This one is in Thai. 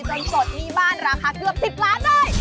ปลดหนี้บ้านราคาเกือบ๑๐ล้านเลย